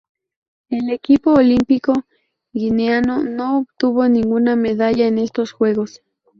El equipo olímpico guineano no obtuvo ninguna medalla en estos Juegos.